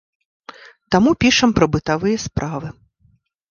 Таму пішам пра бытавыя справы.